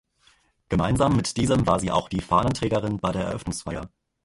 Gemeinsam mit diesem war sie auch die Fahnenträgerin bei der Eröffnungsfeier.